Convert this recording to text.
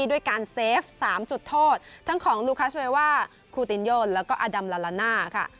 ด้วยการเซฟ๓จุดโทษทั้งของลูคาสเวว่าคูตินโยนแล้วก็อดัมลาลาน่าค่ะ